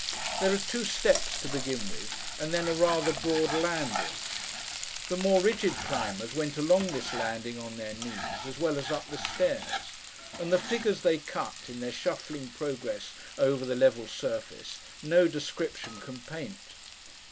There are two steps to begin with, and then a rather broad landing. The more rigid climbers went along this landing on their knees, as well as up the stairs; and the figures they cut, in their shuffling progress over the level surface, no description can paint.